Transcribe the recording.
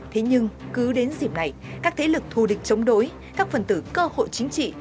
thế nhưng cứ đến dịp này các thế lực thù địch chống đối các phần tử cơ hội chính trị